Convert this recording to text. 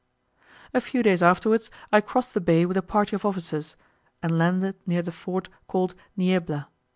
A few days afterwards I crossed the bay with a party of officers, and landed near the fort called Niebla.